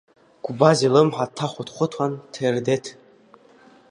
Гәбаз илымҳа дҭахәыҭхәыҭуан Ҭердеҭ.